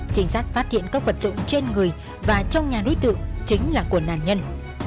trinh sát phát hiện các vật dụng trên người và trong nhà đối tượng chính là của nạn nhân